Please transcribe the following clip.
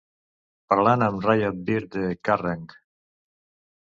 Parlant amb Ryan Bird de Kerrang!